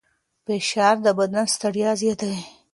فشار د بدن ستړیا زیاتوي.